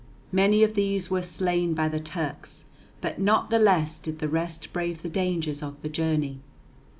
Many of these were slain by the Turks, but not the less did the rest brave the dangers of the journey.